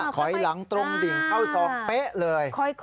ถอยหลังตรงดิ่งเข้าซองเป๊ะเลย